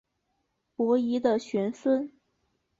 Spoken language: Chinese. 伯益的玄孙。